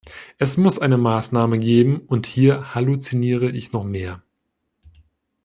Es muss eine Maßnahme geben, und hier halluziniere ich noch mehr.